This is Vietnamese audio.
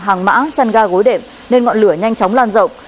hàng mã chăn ga gối đệm nên ngọn lửa nhanh chóng lan rộng